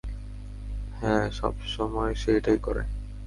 হ্যাঁ, সবসময় সে এটাই করে।